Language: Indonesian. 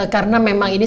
karena memang ini